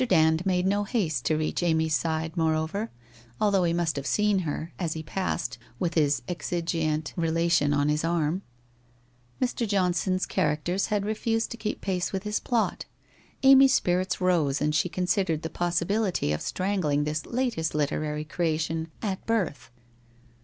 Dand made no haste to reach Amy's side, moreover, although he must have seen her, as he passed, with his exigeantc relation on his arm. Mr. Johnson's charac ters had refused to keep pace with his plot. Amy's spirits rose and she considered the possibility of strangling this latest literary creation at birth.